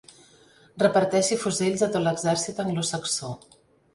Reparteixi fusells a tot l'exèrcit anglosaxó.